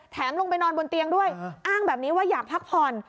ลงไปนอนบนเตียงด้วยอ้างแบบนี้ว่าอยากพักผ่อน